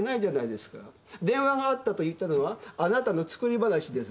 「電話があった」と言ったのはあなたの作り話です。